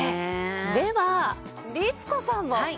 では律子さんも。はい。